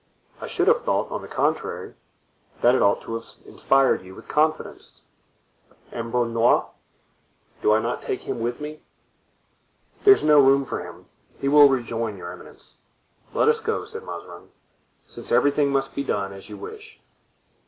"I should have thought, on the contrary, that it ought to have inspired you with confidence." "And Bernouin—do I not take him with me?" "There is no room for him, he will rejoin your eminence." "Let us go," said Mazarin, "since everything must be done as you wish."